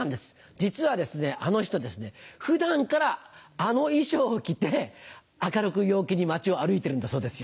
実はあの人ですね、ふだんからあの衣装を着て、明るく陽気に街を歩いてるんだそうですよ。